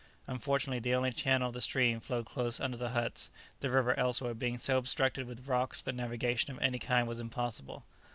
Unfortunately the only channel of the stream flowed close under the huts, the river elsewhere being so obstructed with rocks that navigation of any kind was impossible.